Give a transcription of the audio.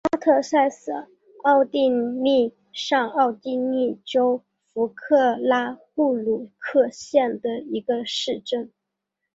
阿特塞是奥地利上奥地利州弗克拉布鲁克县的一个市镇。